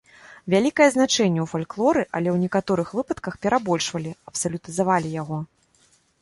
Вялікае значэнне ў фальклоры, але ў некаторых выпадках перабольшвалі, абсалютызавалі яго.